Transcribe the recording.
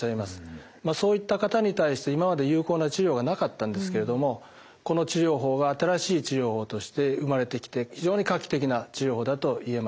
そういった方に対して今まで有効な治療がなかったんですけれどもこの治療法が新しい治療法として生まれてきて非常に画期的な治療法だと言えます。